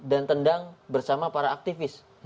dan tendang bersama para aktivis